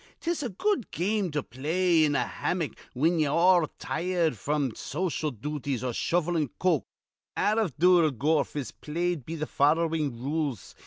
'Tis a good game to play in a hammick whin ye're all tired out fr'm social duties or shovellin' coke. Out iv dure golf is played be th' followin' rules.